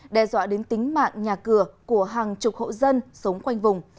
đe dọa đến tính mạng nhà cửa của hàng chục hộ dân sống quanh vùng